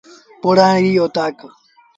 پوڙآ ريٚ اوتآڪ۔